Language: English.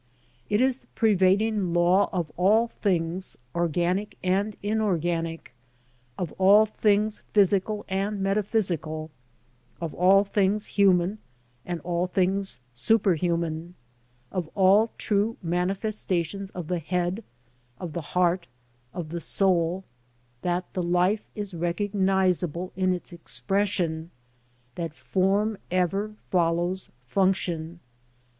It is the pervading law of all things organic and inorganic, of all things physical and metaphysical, of all things human and all things superhuman, of all true manifestations of the head, of the heart, of the soul, that the life is recognizable in its expression, that form ever follows function.